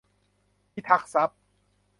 พิทักษ์ทรัพย์